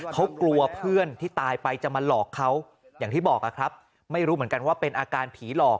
เขากลัวเพื่อนที่ตายไปจะมาหลอกเขาอย่างที่บอกครับไม่รู้เหมือนกันว่าเป็นอาการผีหลอก